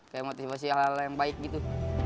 kayak motivasi hal hal yang baik gitu